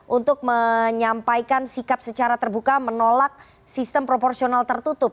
untuk menyampaikan sikap secara terbuka menolak sistem proporsional tertutup